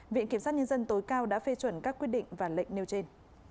viện kiểm sát nhân dân tối cao đã phê chuẩn các quyết định và lệnh nêu trên